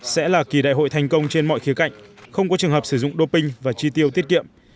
sẽ là kỳ đại hội thành công trên mọi khía cạnh không có trường hợp sử dụng doping và chi tiêu tiết kiệm